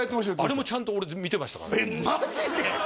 あれもちゃんと俺見てましたえっマジで！？